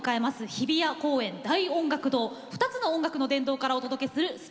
日比谷公園大音楽堂２つの音楽の殿堂からお届けするスペシャル版です。